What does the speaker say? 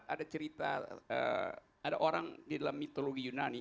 ada cerita ada orang di dalam mitologi yunani